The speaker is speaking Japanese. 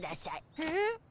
えっ？